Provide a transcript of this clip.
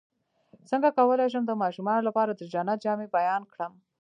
څنګه کولی شم د ماشومانو لپاره د جنت جامې بیان کړم